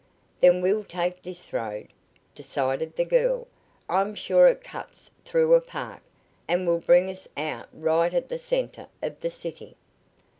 "Then we'll take this road," decided the girl. "I'm sure it cuts through a park, and will bring us out right at the center of the city."